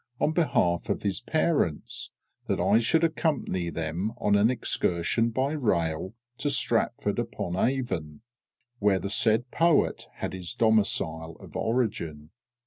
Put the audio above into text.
on behalf of his parents, that I should accompany them on an excursion by rail to Stratford upon Avon, where the said poet had his domicile of origin.